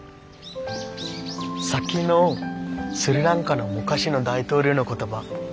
さっきのスリランカの昔の大統領の言葉